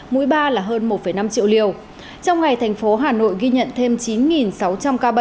mũi ba là hơn một năm triệu liều trong ngày thành phố hà nội ghi nhận thêm chín sáu trăm linh ca mắc